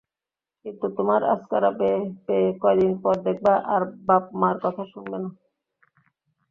কিন্তু তোমার আস্কারা পেয়ে পেয়ে কয়দিন পর দেখবা আর বাপ-মার কথা শুনবেনা।